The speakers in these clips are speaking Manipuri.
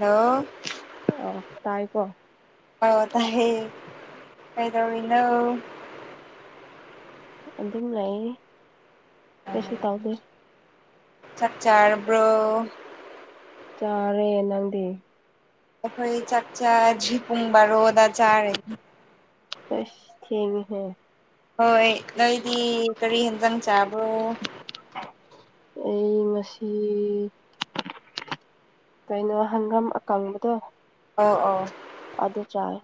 ꯍꯜꯂꯣ ꯑꯣ ꯇꯥꯏ ꯀꯣ ꯑ ꯇꯥꯌꯦ ꯀꯩꯗꯧꯔꯤꯅꯣ ꯑꯗꯨꯝ ꯂꯩꯥ ꯀꯩꯁꯨ ꯇꯧꯗꯦ ꯆꯥꯛ ꯆꯥꯔꯕ꯭ꯔꯣ ꯆꯥꯔꯦ ꯅꯪꯗꯤ ꯑꯩꯈꯣꯏ ꯆꯥꯛ ꯆꯥ [unintelligible] ꯄꯨꯡ ꯕꯥꯔꯣꯗ ꯆꯥꯔꯦ ꯑꯦ ꯊꯦꯡꯉꯦꯍꯦ ꯍꯣꯏ ꯅꯣꯏꯗꯤ ꯀꯔꯤ ꯍꯦꯟꯖꯥꯡ ꯆꯥꯕ꯭ꯔꯣ ꯑꯩ ꯉꯁꯤ ꯀꯩꯅꯣ ꯍꯪꯒꯥꯝ ꯑꯀꯪꯕꯗꯣ ꯑꯣ ꯑꯗꯨ ꯆꯥꯏ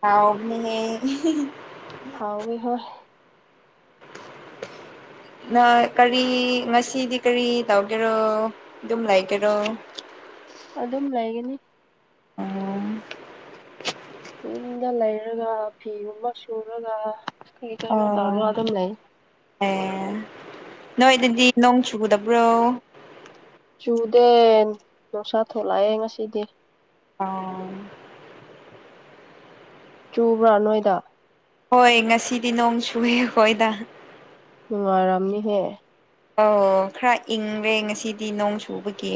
ꯍꯥꯎꯅꯤꯌꯦ ꯍꯥꯎꯢ ꯍꯣꯏ ꯅꯣꯏ ꯀꯔꯤ ꯉꯁꯤꯗꯤ ꯀꯔꯤ ꯇꯧꯒꯦꯔꯣ ꯑꯗꯨꯝ ꯂꯩꯒꯦꯔꯣ ꯑꯗꯨꯝ ꯂꯩꯒꯅꯤ ꯑꯣ ꯌꯨꯝꯗ ꯂꯩꯔꯒ ꯐꯤꯒꯨꯝꯕ ꯁꯨꯔꯒ ꯀꯩ ꯀꯩꯅꯣ ꯑꯣ ꯇꯧꯔꯣ ꯗꯨꯝ ꯂꯩ ꯑꯦ ꯅꯣꯏꯗꯗꯤ ꯅꯣꯡ ꯆꯨꯗꯕ꯭ꯔꯣ ꯆꯨꯗꯦ ꯅꯨꯡꯁꯥ ꯊꯣꯛꯂꯛꯑꯦ ꯉꯁꯤꯗꯤ ꯑ ꯆꯨꯕ꯭ꯔꯥ ꯅꯣꯏꯗ ꯍꯣꯏ ꯉꯁꯤꯗꯤ ꯅꯣꯡ ꯆꯨꯏ ꯈꯣꯏꯗ ꯅꯨꯡꯉꯔꯝꯅꯤꯍꯦ ꯑ ꯈꯔ ꯏꯪꯪꯂꯦ ꯉꯁꯤꯗꯤ ꯅꯣꯡ ꯁꯨꯕꯒꯤ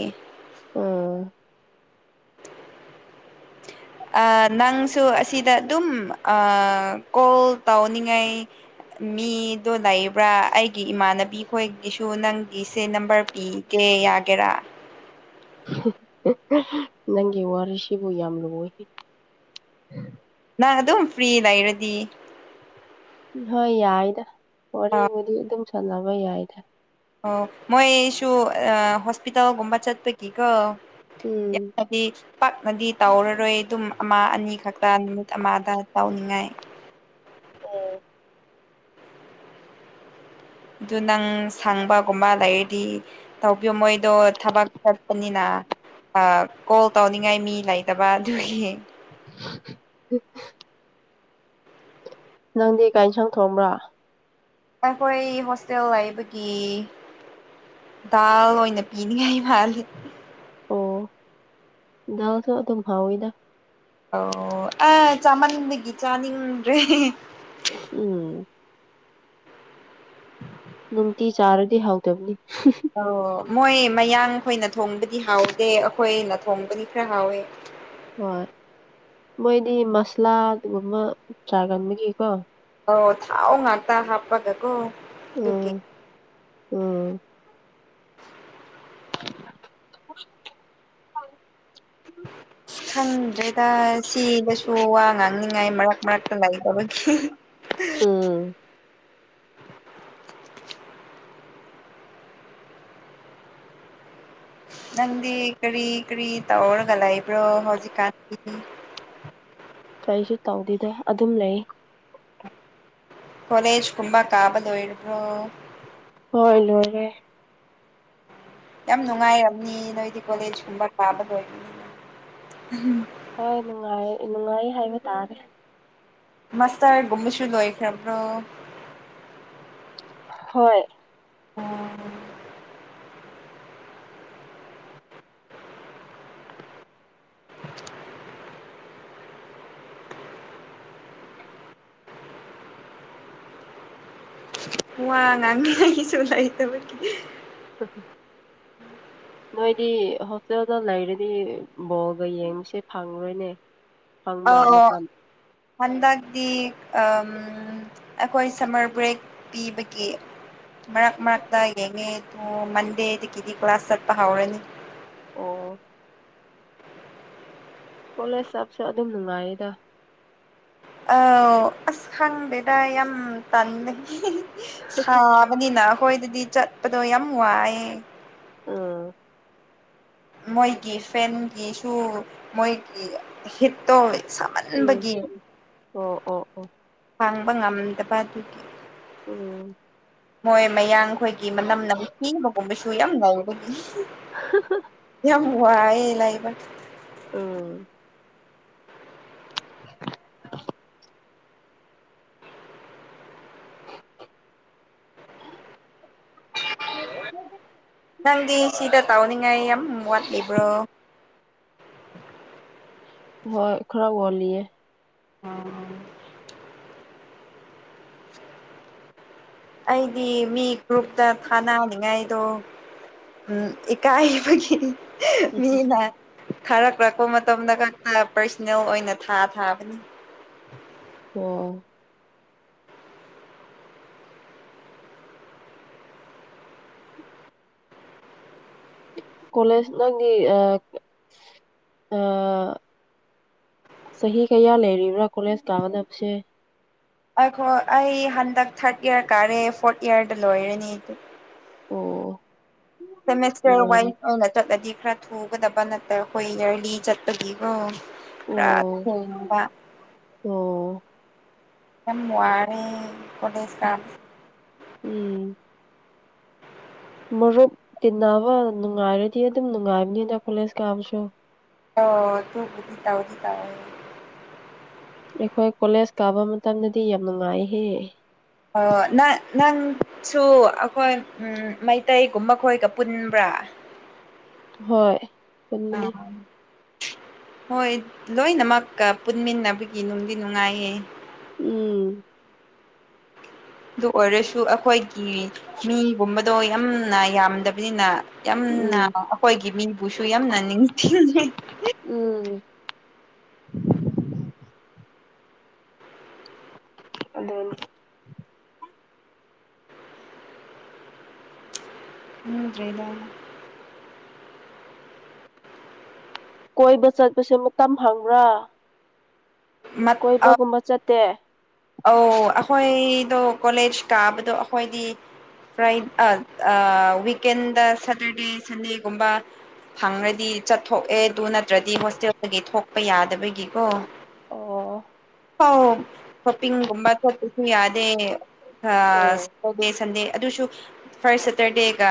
ꯑꯥ ꯅꯪꯁꯨ ꯑꯁꯤꯗ ꯑꯗꯨꯝ ꯀꯣꯜ ꯇꯧꯅꯤꯡꯉꯥꯏ ꯃꯤꯗꯣ ꯂꯩꯕ꯭ꯔꯥ ꯑꯩꯒꯤ ꯏꯃꯥꯟꯅꯕꯤ ꯈꯣꯏꯒꯤꯁꯨ ꯅꯪꯒꯤꯁꯦ ꯅꯝꯕꯔ ꯄꯤꯒꯦ ꯑꯦ ꯌꯥꯒꯦꯔꯥ ꯅꯪꯒꯤ ꯋꯥꯔꯤꯁꯤꯕꯨ ꯌꯥꯝ ꯂꯣꯏ ꯑꯗꯨꯝ ꯐꯔꯤ ꯂꯩꯔꯗꯤ ꯍꯣꯏ ꯌꯥꯏꯗ ꯋꯥꯔꯤꯨꯗꯤ ꯑꯗꯨꯝ ꯁꯥꯟꯅꯕ ꯌꯥꯏꯗ ꯑꯣ ꯃꯣꯏꯁꯨ ꯑ ꯍꯣꯁꯄꯤꯇꯥꯜꯒꯨꯝꯕ ꯆꯠꯄꯒꯤ ꯀꯣ ꯌꯥ ꯎꯝ ꯄꯥꯛꯅꯗꯤ ꯇꯧꯔꯔꯣꯏ ꯑꯗꯨꯝ ꯑꯃ ꯑꯅꯤ ꯈꯛꯇ ꯅꯨꯃꯤꯠ ꯑꯃꯗ ꯇꯧꯅꯤꯡꯉꯥꯏ ꯑꯣꯝ ꯑꯗꯨ ꯅꯪ ꯁꯪꯕꯒꯨꯝꯕ ꯂꯩꯔꯗꯤ ꯇꯧꯕꯤꯌꯨ ꯃꯣꯏꯗꯣ ꯊꯕꯛ ꯆꯠꯄꯅꯤꯅ ꯀꯣꯜ ꯇꯧꯅꯤꯡꯉꯥꯏ ꯃꯤ ꯂꯩꯇꯕ ꯑꯗꯨꯒꯤ ꯍ ꯅꯪꯗꯤ ꯀꯥꯏꯅ ꯁꯪ ꯊꯣꯡꯑꯕ꯭ꯔꯥ ꯑꯩꯈꯣꯏ ꯍꯣꯁꯇꯦꯜ ꯂꯩꯕꯒꯤ ꯗꯥꯜ ꯑꯣꯏꯅ ꯄꯤꯅꯤꯡꯉꯥꯏ ꯃꯥꯜꯦ ꯑꯣ ꯜꯁꯨ ꯑꯗꯨꯝ ꯍꯥꯎꯋꯤꯗ ꯑꯣ ꯑ ꯆꯥꯃꯟꯗꯒꯤ ꯆꯥꯅꯤꯡꯗ꯭ꯔꯦ ꯎꯝ ꯅꯨꯡꯇꯤ ꯆꯥꯔꯗꯤ ꯍꯥꯎꯗꯕꯅꯤ ꯑꯣ ꯃꯣꯏ ꯃꯌꯥꯡꯈꯣꯏꯅ ꯊꯣꯡꯕꯗꯤ ꯍꯥꯎꯗꯦ ꯑꯩꯈꯣꯏꯅ ꯊꯣꯡꯕꯗꯤ ꯈꯔ ꯍꯥꯎꯋꯦ ꯍꯣꯏ ꯃꯣꯏꯗꯤ ꯃꯁꯂꯥꯒꯨꯝꯕ ꯆꯥꯒꯟꯕꯒꯤꯀꯣ ꯑꯣ ꯊꯥꯎ ꯉꯥꯛꯇ ꯍꯥꯞꯄꯒ ꯀꯣ ꯑꯗꯨꯦ ꯎꯝ ꯎꯝ [unintelligible] [unintelligible] [unintelligible] ꯈꯪꯗ꯭ꯔꯦꯗ ꯁꯤꯗꯁꯨ ꯋꯥ ꯉꯥꯡꯅꯤꯡꯉꯥꯏ ꯃꯔꯛ ꯃꯔꯛꯇ ꯂꯩꯇꯕꯒꯤ ꯎꯝ ꯅꯪꯗꯤ ꯀꯔꯤ ꯀꯔꯤ ꯇꯧꯔꯒ ꯂꯩꯕ꯭ꯔꯣ ꯍꯧꯖꯤꯛꯀꯥꯟꯒꯤ [unintelligible] ꯀꯔꯤꯁꯨ ꯇꯧꯗꯗ ꯑꯗꯨꯝ ꯂꯩ ꯀꯂꯦꯖ ꯀꯨꯝꯕꯥ ꯀꯥꯕꯗ ꯑꯣꯏ꯭ꯔꯣ ꯍꯣꯏ ꯂꯔꯒ ꯌꯥꯝ ꯅꯨꯡꯉꯥꯏꯔꯝꯅꯤ ꯅꯣꯏꯗꯤ ꯀꯣꯂꯦꯖ ꯀꯨꯝꯕ ꯀꯥꯕ ꯂꯣꯏꯕꯅꯤꯅ ꯍꯣꯏ ꯅꯨꯡꯉꯥꯏ ꯅꯨꯡꯉꯥꯏ ꯍꯥꯏꯕ ꯇꯥꯔꯦ ꯃꯁꯇ꯭ꯔ ꯒꯨꯝꯕꯁꯨꯨ ꯂꯣꯏꯈ꯭ꯔꯥꯕ꯭ꯔꯣ ꯍꯣꯏ ꯑꯣ ꯋꯥ ꯉꯥꯡ ꯍꯥꯏꯁꯨꯂꯥꯏꯕ ꯑ ꯅꯣꯏꯗꯤ ꯍꯣꯁꯇꯦꯜꯗ ꯂꯩꯔꯗꯤ ꯕꯣꯒ ꯌꯦꯡꯉꯁꯦ ꯐꯪꯉꯔꯣꯏꯅꯦ ꯑ ꯍꯟꯗꯗꯤ ꯑ ꯑꯩꯈꯣꯏ ꯁꯝꯃꯔ ꯕ꯭ꯔꯦꯛ ꯄꯤꯕꯒꯤ ꯃꯔꯛ ꯃꯔꯛꯇ ꯌꯦꯡꯉꯤ ꯃꯟꯗꯦꯗꯤ ꯀꯤꯗꯤ ꯀ꯭ꯂꯥꯁ ꯆ ꯄꯥꯕꯅꯤ ꯑꯣ ꯀꯣꯂꯦꯖ ꯆꯞꯁꯨ ꯑꯗꯨꯝ ꯅꯨꯡꯉꯥꯏꯗ꯫ ꯑꯥꯎ ꯑꯁ ꯈꯪꯗꯦꯗ ꯌꯥꯝ ꯇꯥꯟꯂꯦ꯫ ꯁꯥꯕꯅꯤꯅ ꯑꯈꯣꯏꯗꯗꯤ ꯆꯠꯄꯗꯣ ꯌꯥꯝ ꯋꯥꯏꯌꯦ꯫ ꯑꯥ꯫ ꯃꯣꯏꯒꯤ ꯐꯦꯟꯒꯤꯁꯨ ꯃꯣꯏꯒꯤ ꯍꯤꯠꯇꯣ ꯎꯝ ꯁꯥꯃꯟꯕꯒꯤ ꯑꯣ ꯑꯣ ꯑꯣ ꯐꯥꯡꯕ ꯉꯝꯗꯕ ꯑꯗꯨꯒꯤ ꯎꯝ ꯃꯣꯏ ꯃꯌꯥꯡ ꯈꯣꯏꯒꯤ ꯃꯅꯝ ꯅꯝꯊꯤꯕꯒꯨꯝꯕꯁꯨ ꯌꯥꯝ ꯂꯩꯕꯒꯤ ꯌꯥꯝ ꯋꯥꯌꯦ ꯂꯩꯕ꯫ ꯎꯝ [unintelligible] [unintelligible] ꯅꯪꯗꯤ ꯁꯤꯗ ꯇꯥꯎꯅꯤꯡꯉꯥꯏ ꯌꯥꯝ ꯋꯥꯠꯂꯤꯕ꯭ꯔꯣ꯫ ꯍꯣꯏ ꯈꯔ ꯋꯥꯠꯂꯤꯌꯦ꯫ ꯑꯝ ꯑꯩꯗꯤ ꯃꯤ ꯒ꯭ꯔꯨꯞꯇ ꯊꯥꯅꯅꯤꯡꯉꯥꯏꯗꯣ ꯎꯝ ꯏꯀꯥꯏꯕꯒꯤ ꯃꯤꯅꯥ ꯈꯥꯔꯛꯂꯛꯄ ꯃꯇꯝꯗ ꯈꯛꯇ ꯄꯥꯔꯁꯣꯅꯦꯜ ꯑꯣꯏꯅ ꯊꯥ ꯊꯥꯕꯅꯤ꯫ ꯑꯣ꯫ ꯀꯣꯂꯦꯖ ꯅꯪꯗꯤ ꯑ ꯆꯍꯤ ꯀꯌꯥ ꯂꯩꯔꯤꯕ꯭ꯔꯥ ꯀꯣꯂꯦꯖ ꯀꯥꯒꯗꯕꯁꯦ꯫ ꯑꯩꯈꯣ ꯑꯩ ꯍꯟꯗꯛ ꯊꯥꯔꯠ ꯏꯌꯥꯔ ꯀꯥꯔꯦ ꯐꯣꯔꯠ ꯏꯌꯥꯔꯗ ꯂꯣꯏꯔꯅꯤ꯫ ꯑꯣ꯫ ꯁꯦꯃꯦꯁꯇꯔ ꯅꯨꯡꯉꯥꯏꯔꯤ ꯋꯥꯏꯁ ꯑꯣꯏꯅ ꯆꯠꯂꯗꯤ ꯈꯔ ꯊꯨꯒꯗꯕ ꯅꯠꯇ ꯑꯈꯣꯏ ꯌꯔꯂꯤ ꯆꯠꯄꯒꯤꯀꯣ꯫ ꯈꯔꯥ꯫ ꯑꯣ [inaudible] ꯑꯣ ꯌꯝ ꯋꯥꯔꯦ ꯀꫭꯂꯦꯖ ꯀꯥꯕꯁꯤ꯫ ꯎꯝ꯫ ꯃꯔꯨꯞ ꯇꯤꯟꯅꯕ ꯅꯨꯡꯉꯥꯏꯔꯗꯤ ꯑꯗꯨꯝ ꯅꯨꯡꯉꯥꯏꯕꯅꯤꯗ ꯀꯣꯂꯦꯖ ꯀꯥꯕꯁꯨ꯫ ꯑꯣ ꯗꯨꯕꯨꯗꯤ ꯇꯧꯗꯤ ꯇꯧꯋꯦ꯫ ꯑꯩꯈꯣꯏ ꯀꯣꯂꯦꯖ ꯀꯥꯕ ꯃꯇꯝꯗꯗꯤ ꯌꯥꯝ ꯅꯨꯡꯉꯥꯏꯍꯦ꯫ ꯍꫭꯏ-ꯍꫭꯏ ꯅ ꯅꯪꯁꯨ ꯑꯈꯣꯏ ꯃꯩꯇꯩꯒꯨꯝꯕ ꯈꯣꯏꯒ ꯄꯨꯟꯕ꯭ꯔꯥ꯫ [unintelligible] ꯍꯣꯏ ꯄꯨꯟꯕꯅꯤ꯫ ꯍꯣꯏ ꯂꯣꯏꯅꯃꯛꯀ ꯄꯨꯟꯃꯤꯟꯅꯕꯒꯤ ꯅꯨꯡꯗꯤ ꯅꯨꯡꯉꯥꯏꯌꯦ꯫ ꯎꯝ꯫ ꯑꯗꯨ ꯑꯣꯏꯔꯁꯨ ꯑꯩꯈꯣꯏꯒꯤ ꯃꯤꯒꯨꯝꯕꯗꯣ ꯌꯥꯝꯅ ꯌꯥꯝꯗꯕꯅꯤꯅ ꯌꯥꯝꯅ ꯎꯝ ꯑꯩꯈꯣꯏꯒꯤ ꯃꯤꯕꯨꯁꯨ ꯌꯥꯝꯅ ꯅꯤꯡꯊꯤꯅ [unintelligible] ꯎꯝ ꯑꯗꯨꯅꯤ꯫ ꯈꯪꯗ꯭ꯔꯦꯗ꯫ ꯀꯣꯏꯕ ꯆꯠꯄꯁꯦ ꯃꯇꯝ ꯍꯪꯕ꯭ꯔꯥ꯫ ꯃꯠ ꯀꯣꯏꯕꯒꯨꯝꯕ ꯆꯠꯇꯦ꯫ ꯑꯧ ꯑꯩꯈꯣꯏꯗꯣ ꯀꯣꯂꯦꯖ ꯀꯥꯕꯗꯣ ꯑꯩꯈꯣꯏꯗꯤ ꯐ꯭ꯔꯥꯏ ꯑ ꯑꯥ ꯋꯤꯀꯦꯟꯗ ꯁꯦꯇꯔꯗꯦ ꯁꯟꯗꯦꯒꯨꯝꯕꯥ ꯐꯪꯔꯗꯤ ꯆꯠꯊꯣꯛꯑꯦ ꯑꯗꯨ ꯅꯠꯇ꯭ꯔꯗꯤ ꯍꯣꯁꯇꯦꯜꯗꯒꯤ ꯊꯣꯛꯄ ꯌꯥꯗꯕꯒꯤꯀꯣ꯫ ꯑꯣ꯫ ꯍꯣ ꯋꯀꯤꯡꯒꯨꯝꯕ ꯆꯞꯄꯁꯨ ꯌꯥꯗꯦ ꯑꯥ ꯎꯝ ꯁꯇꯔꯗꯦ ꯁꯟꯗꯦ ꯑꯗꯨꯁꯨ ꯐꯥꯔꯁ ꯁꯦꯇꯔꯗꯦꯒ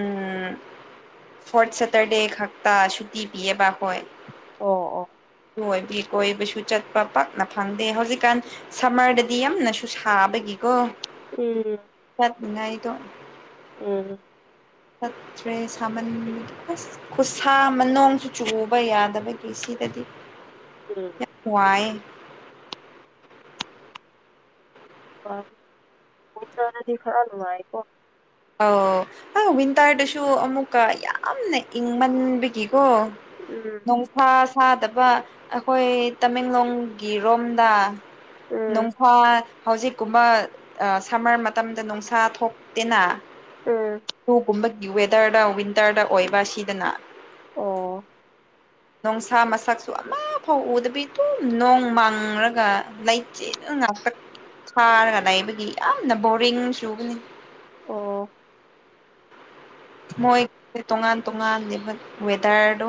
ꯎꯝ ꯐꯣꯔꯠ ꯁꯦꯇꯔꯗꯦ ꯈꯛꯇ ꯁꯨꯇꯤ ꯄꯤꯑꯕ ꯍꯣꯏ ꯑꯣ ꯑꯣ ꯀꯣꯏꯕꯤ ꯀꯣꯏꯕꯁꯨ ꯆꯠꯄ ꯄ ꯅ ꯐꯪꯗꯦ ꯍꯧꯖꯤꯛꯀꯥꯟ ꯁꯝꯃꯔꯗꯗꯤ ꯌꯥꯝꯅꯁꯨ ꯁꯥꯕꯒꯤꯀꯣ ꯎꯝ ꯆꯅꯏꯗꯣ ꯎꯝ ꯐꯠꯇ꯭ꯔꯦ ꯁꯥꯃꯟ ꯑꯁ ꯈꯨꯠꯁꯥ ꯃꯅꯨꯡꯁꯨ ꯆꯨꯎꯕ ꯌꯥꯗꯕꯒꯤ ꯁꯤ ꯗꯤ ꯎꯝ ꯋꯥꯅꯨꯡ ꯎꯟꯅ ꯅ ꯈꯔꯅꯅꯨꯡ ꯃꯥꯥꯏꯀ ꯑ ꯍ ꯋꯤꯟꯇꯔꯗꯁꯨ ꯑꯃꯨꯛꯀ ꯌꯥꯝꯅ ꯏꯪꯃꯟꯕꯒꯤꯀꯣ ꯎꯝ ꯣꯡꯁꯥ ꯁꯥꯗꯕ ꯑꯩꯈꯣꯏ ꯇꯃꯦꯡꯂꯣꯡꯒꯤ ꯔꯣꯝꯗ ꯎꯝ ꯅꯨꯡꯐꯥ ꯍꯧꯖꯤꯛ ꯀꯒꯨꯝꯕ ꯁꯝꯃꯔ ꯃꯇꯝꯗ ꯅꯨꯡꯁꯥ ꯊꯣꯛꯇꯦꯅ ꯎꯝ ꯍꯨꯒꯨꯝꯕꯒꯤ ꯋꯦꯗꯔꯗ ꯋꯤꯟꯇꯔꯗ ꯑꯣꯏꯕ ꯁꯤꯗꯅ ꯑꯣ ꯃꯅꯨꯡꯁꯥ ꯃꯁꯛꯁꯨ ꯑꯃꯐꯥꯎ ꯎꯗꯕꯤ ꯑꯗꯨꯝ ꯅꯣꯡ ꯃꯥꯡꯔꯒ ꯂꯩꯆꯦꯅ ꯉꯥꯛꯇ ꯊꯔꯒꯗꯥꯕ ꯣꯔꯤꯁꯨꯨꯕꯅꯤ ꯑꯣ ꯃꯣꯏ ꯇꯣꯉꯥꯟ ꯇꯣꯉꯥꯟꯅꯦꯕ ꯋꯦꯗꯔꯗꯣ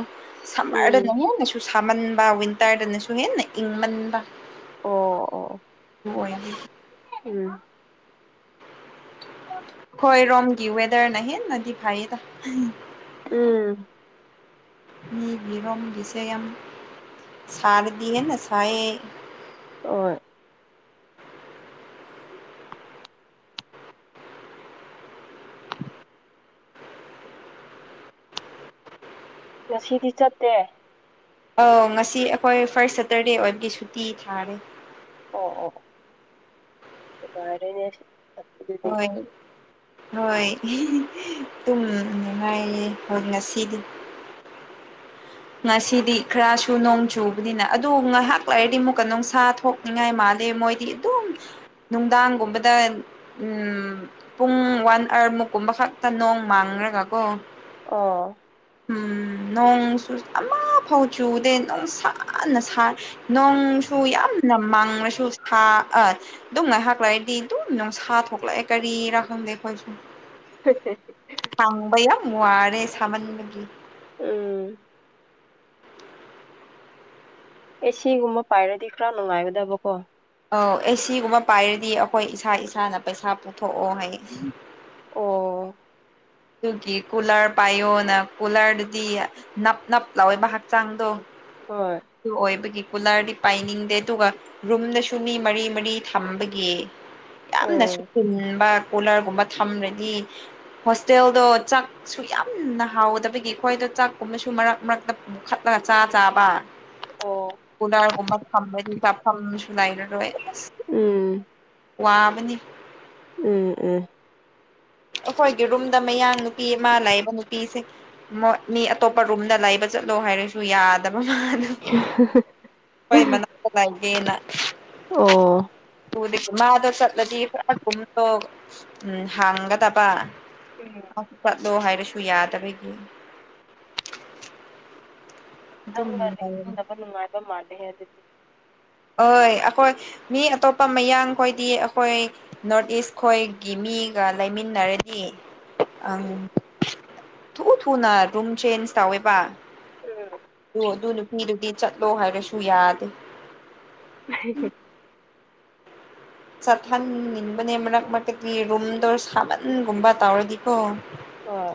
ꯁꯝꯃꯔꯗꯅ ꯎꯝ ꯍꯦꯟꯅꯁꯨ ꯁꯥꯃꯟꯕꯋ ꯇꯥꯏꯔꯅꯁꯨ ꯍꯦꯟꯅ ꯏꯪꯃꯟꯕ ꯑꯣ ꯑꯣ ꯍ ꯎꯝ ꯍꯣꯏ ꯔꯣꯝꯒꯤ ꯋꯦꯗꯔꯅ ꯍꯦꯟꯅꯗꯤ ꯐꯩꯌꯦꯗ ꯎꯝ ꯃꯤ ꯔꯣꯡ ꯌꯥ ꯁꯥꯔꯗꯤꯦꯅ ꯁꯑ ꯑꯣ ꯉꯁꯤꯗꯤ ꯆꯠꯇꯦ ꯑꯥꯎ ꯉꯁꯤ ꯑꯩꯈꯣꯏ ꯐꯥꯔꯁ ꯁꯦꯇꯔꯗꯦ ꯑꯣꯏꯕꯒꯤ ꯁꯨꯇꯤ ꯊꯥꯔꯦ ꯑꯣ ꯑꯣ ꯃꯥꯔꯩꯅ ꯍ ꯍꯣꯏ ꯇꯨꯝꯉꯥꯏꯔꯦ ꯍꯣꯏ ꯉꯁꯤꯗꯤ ꯉꯁꯤꯗꯤ ꯈꯔꯁꯨ ꯅꯣꯡ ꯆꯨꯕꯅꯤꯅ ꯑꯗꯨ ꯉꯥꯏꯍꯥꯛ ꯂꯥꯛꯔꯗꯤ ꯑꯃꯨꯛꯀ ꯅꯨꯡꯁꯥ ꯊꯣꯛꯅꯤꯡꯉꯥꯏ ꯃꯥꯜꯜꯂꯤ ꯃꯣꯏꯗꯤ ꯑꯗꯨ ꯅꯨꯡꯗꯥꯡꯒꯨꯝꯕꯗ ꯄꯨꯡ ꯋꯥꯟ ꯑꯥꯋꯥꯔꯃꯨꯛꯀꯨꯝꯕ ꯈꯛꯇ ꯅꯣꯡ ꯃꯥꯡ ꯈꯅ ꯀꯥꯀꯣ ꯑꯥ ꯎꯝ ꯅꯁꯨ ꯐꯥꯎ ꯆꯨꯗꯦ ꯅꯨꯡ ꯁꯅ ꯅꯣꯡꯁꯨ ꯌꯥꯝꯅ ꯃꯥꯡꯂꯁꯨ ꯑ ꯑꯗꯨꯝ ꯉꯥꯏ ꯍꯥꯛꯂꯛꯏꯗꯤ ꯑꯗꯨꯝ ꯅꯨꯡꯁꯥ ꯊꯣꯛꯂꯛꯑꯦ ꯀꯔꯤꯔꯥ ꯈꯪꯗꯦ ꯑꯩꯈꯣꯏꯁꯨ ꯣꯏꯁꯦ ꯊꯪꯕ ꯑ ꯃꯨꯅꯦ ꯁꯃꯟꯕꯒ ꯎꯝ ꯑꯦ ꯁꯤꯒꯨꯝꯕ ꯄꯥꯏꯔꯗꯤ ꯈꯔ ꯅꯨꯡꯉꯥꯏꯒꯗꯕꯀꯣ ꯑꯧ ꯑꯦ ꯁꯤꯒꯨꯝꯕ ꯄꯥꯏꯔꯗꯤ ꯑꯩꯈꯣꯏ ꯏꯁꯥ ꯏꯁꯥꯅ ꯄꯩꯁꯥ ꯄꯨꯊꯣꯛꯑꯣ ꯍꯥꯏ ꯑꯣ ꯑꯗꯨꯒꯤ ꯀꯨꯂꯔ ꯄꯥꯏꯌꯣꯅ ꯀꯨꯂꯔꯗꯨꯗꯤ ꯅꯞ ꯅꯞ ꯂꯥꯎꯑꯣꯏꯕ ꯍꯛꯆꯥꯡꯗꯣ ꯍꯣꯏ ꯑꯣꯏꯕꯒꯤ ꯀꯨꯂꯔꯗꯤ ꯄꯥꯏꯅꯤꯡꯗꯦ ꯑꯗꯨꯒ ꯔꯨꯝꯗꯁꯨ ꯃꯤ ꯃꯔꯤ ꯃꯔꯤ ꯊꯝꯕꯒꯤ ꯌꯥꯝꯅ ꯎꯝ ꯁꯨꯁꯤꯤꯟꯕ ꯀꯣꯂꯔꯒꯨꯝꯕ ꯊꯝꯂꯗꯤ ꯍꯣꯇꯦꯜꯗꯣ ꯆꯥꯛꯁꯨ ꯌꯥꯝꯅ ꯍꯥꯎꯗꯕꯒꯤ ꯑꯩꯈꯣꯏꯗꯣ ꯆꯥꯛꯀꯨꯝꯕꯁꯨ ꯃꯔꯛ ꯃꯔꯛꯇ ꯄꯨꯈꯠꯂꯒ ꯆꯥ ꯆꯥꯕ ꯑꯣ ꯀꯨꯂꯔꯒꯨꯝꯕ ꯊꯝꯕꯗꯤ ꯆꯥꯐꯝꯁꯨ ꯂꯩꯔꯔꯣꯏ ꯑꯁ ꯎꯝ ꯋꯥꯕꯅꯤ ꯎꯝ ꯎꯝ ꯑꯩꯈꯣꯏꯒꯤ ꯔꯨꯝꯗ ꯃꯌꯥꯥꯡ ꯅꯨꯄꯤ ꯑꯃ ꯂꯩꯕ ꯅꯨꯄꯤꯁꯦ ꯃꯤ ꯑꯇꯣꯞꯄ ꯔꯨꯝꯗ ꯂꯩꯕ ꯆꯠꯂꯣ ꯍꯥꯏꯔꯁꯨ ꯌꯥꯗꯕ ꯃꯥꯗꫭ ꯑꯈꫭꯏ ꯃꯅꯥꯛꯇ ꯂꯥꯏꯒꯦꯅ ꯑꯣ ꯎꯗꯤ ꯃꯥꯗꯣ ꯆꯠꯂꯗꯤ ꯈꯔꯒꯨꯝꯗꯣ ꯎ ꯍꯥꯡꯒꯗꯕ ꯎꯝ [unintelligible] ꯑ ꯆꯠꯂꯣ ꯍꯥꯏꯔꯁꯨ ꯌꯥꯗꯕꯒꯤ ꯑꯗꯨꯝ ꯅꯪꯒ ꯂꯩꯔꯦ ꯂꯩꯃꯤꯟꯅꯕ ꯅꯨꯡꯉꯥꯏꯕ ꯃꯥꯜꯂꯦꯍ‌ꯦ ꯑꯗꯨꯗꯤ ꯍꯣꯏ ꯑꯩꯈꯣꯏ ꯃꯤ ꯑꯇꯣꯞꯄ ꯃꯌꯥꯡ ꯈꯣꯏꯗꯤ ꯑꯩꯈꯣꯏ ꯅꯣꯔꯠ ꯏꯁ ꯈꯣꯏꯒꯤ ꯃꯤ ꯃꯤꯒ ꯂꯩꯃꯤꯟꯅꯔꯗꯤ ꯑꯪ ꯊꯨ ꯊꯨꯅ ꯔꯨꯝ ꯆꯦꯟꯖ ꯇꯧꯋꯦꯕ ꯎꯝ ꯑꯣ ꯑꯗꯨ ꯅꯨꯄꯤꯗꯨꯗꯤ ꯆꯠꯂꯣ ꯍꯥꯏꯔꯁꯨ ꯌꯥꯗꯦ [unintelligible] ꯆꯠꯍꯟꯅꯤꯡꯕꯅꯦ ꯃꯔꯛ ꯃꯔꯛꯇꯗꯤ ꯔꯨꯝꯗꫭ ꯁꯥꯃꯟꯒꯨꯝꯕ ꯇꯧꯔꯗꯤꯀꯣ ꯑꯥ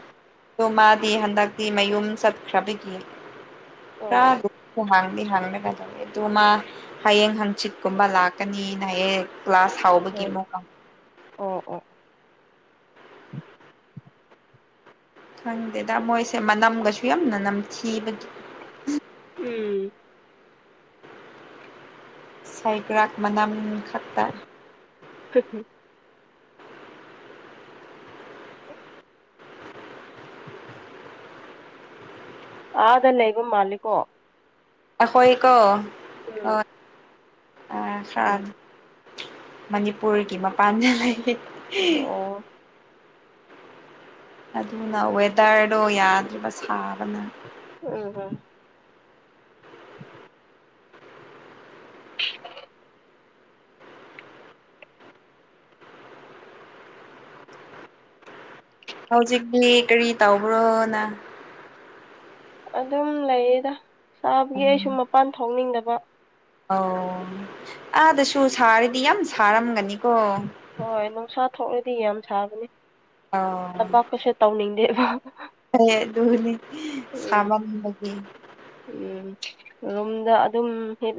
ꯑꯗꯣ ꯃꯥꯗꯤ ꯍꯟꯗꯛꯇꯤ ꯃꯌꯨꯝ ꯆꯠꯈ꯭ꯔꯕꯒꯤ ꯈꯔ ꯑꯣ ꯍꯥꯡꯉ‌ꯦ ꯍꯥꯡꯕꯒꯨꯝ ꯊꯧꯋ‌ꯦ ꯑꯗꯣ ꯃꯥ ꯍꯌꯦꯡ ꯍꯥꯡꯆꯤꯠꯀꯨꯝꯕ ꯂꯥꯛꯀꯅꯤꯅ ꯍꯥꯏꯌ‌ꯦ ꯀ꯭ꯂꯒꯥꯁ ꯍꯥꯎꯕꯒꯤ ꯑꯣ ꯃꯑꯣꯛꯀ ꯑꯣ ꯑꯣ ꯑꫭ ꯈꯪꯗꯦꯗ ꯃꯣꯏꯁꯦ ꯃꯅꯝꯒꯁꯨ ꯌꯥꯝꯅ ꯅꯝꯊꯤꯕꯒꯤ ꯎꯝ ꯁꯥꯏꯒ꯭ꯔꯥꯛ ꯃꯅꯥ ꯈꯛꯇ [unintelligible] ꯎ [unintelligible] ꯑꯗ ꯂꯩꯕ ꯃꯥꯟꯂꯤꯀꯣ ꯑꯈꯣꯏꯀꯣ ꯍꫭꯏ ꯑ ꯈꯔꯗꯤ ꯃꯅꯤꯄꯨꯔꯒꯤ ꯃꯄꯥꯟꯗ ꯂꯩ ꯑꯣ ꯑꯗꯨꯅ ꯋꯦꯗꯔꯗꯣ ꯌꯥꯗ꯭ꯔꯤꯕ ꯁꯥꯕꯅ ꯑꯣ ꯍꯣ [unintelligible] [inaudible] ꯍꯧꯖꯤꯛꯇꯤ ꯀꯔꯤ ꯇꯧꯕ꯭ꯔꯣ ꯅꯪ ꯑꯗꯨꯝ ꯂꯩꯌꯦꯗ ꯁꯥꯕꯒꯤ ꯑꯩꯁꯨ ꯃꯄꯥꯟ ꯊꯣꯛꯅꯤꯡꯗꯕ ꯑꯣ ꯑꯥꯗꯁꯨ ꯁꯥꯔꯤꯗꯤ ꯌꯥꯝ ꯁꯥꯔꯝꯒꯅꯤꯀꯣ ꯍꯣꯏ ꯅꯨꯡꯁꯥ ꯊꯣꯛꯂꯗꯤ ꯌꯥꯝ ꯁꯥꯕꯅꯤ ꯊꯕꯥꯛꯀꯁꯨ ꯇꯧꯅꯤꯡꯗꯦꯕ ꯍꫭꯏ ꯑꯗꯨꯅ‌ꯦ ꯎꯝ ꯁꯥꯃꯟꯕꯒꯤ ꯎꯝ ꯔꯨꯝꯗ ꯑꯗꯨꯝ ꯍꯨꯞ